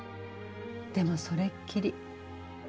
でもそれっきり。